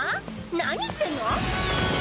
何言ってんの？